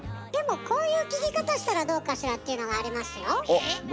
でもこういう聞き方したらどうかしらっていうのがありますよ。え？